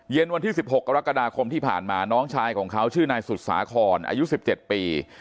เย็นวันที่สิบหกกรกฎาคมที่ผ่านมาน้องชายของเขาชื่อนายสุศาคอนอายุสิบเจ็ดปี